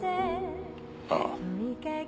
ああ。